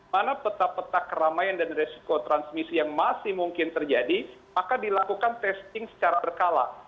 mana peta peta keramaian dan resiko transmisi yang masih mungkin terjadi maka dilakukan testing secara berkala